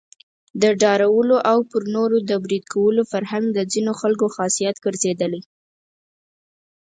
د ډارولو او پر نورو د بريد کولو فرهنګ د ځینو خلکو خاصيت ګرځېدلی.